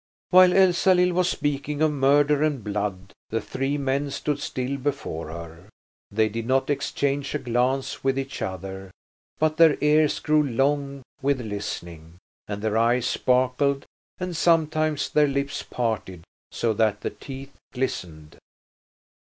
While Elsalill was speaking of murder and blood the three men stood still before her. They did not exchange a glance with each other, but their ears grew long with listening, and their eyes sparkled, and sometimes their lips parted so that the teeth glistened.